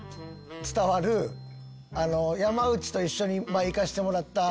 山内と一緒に前行かせてもらった。